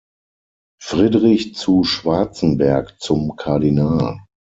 Friedrich zu Schwarzenberg zum Kardinal.